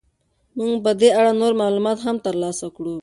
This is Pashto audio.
موږ به په دې اړه نور معلومات هم ترلاسه کړو.